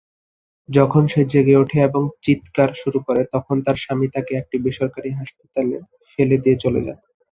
যখন সে জেগে ওঠে এবং চিৎকার শুরু করে, তখন তার স্বামী তাকে একটি বেসরকারি হাসপাতালে ফেলে দিয়ে চলে যান।